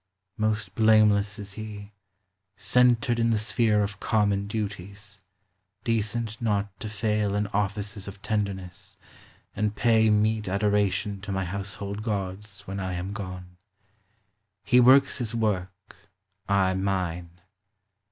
.Most blameless is he, centred in the Bphere of common duties, decent not to fail In offices of tenderness, and pay Meet adoration to my household gods, When I am gone. He works his work, I mine.